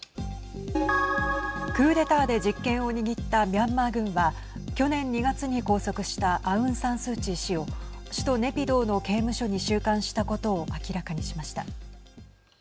クーデターで実権を握ったミャンマー軍は去年２月に拘束したアウン・サン・スー・チー氏を首都ネピドーの刑務所に収監したことを明らかにしました。